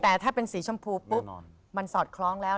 แต่ถ้าเป็นสีชมพูปุ๊บมันสอดคล้องแล้ว